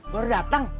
gue udah dateng